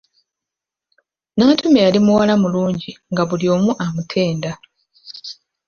Nantume yali muwala mulungi nga buli omu amutenda!